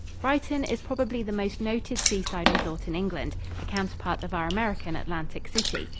Brighton is probably the most noted seaside resort in England a counterpart of our American Atlantic City.